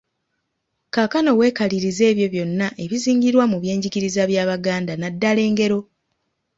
Kaakano weekalirize ebyo byonna ebizingirwa mu byenjigiriza by’Abaganda naddala engero.